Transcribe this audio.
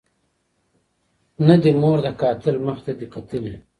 نه دي مور د قاتل مخ ته دي کتلي